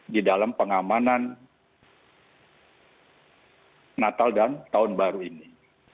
di dalam pengamanan natal dan tahun baru ini